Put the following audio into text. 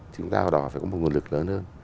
chúng ta đòi phải có một nguồn lực lớn hơn